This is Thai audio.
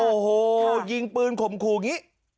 โอ้โหยิงปืนขมครูงี้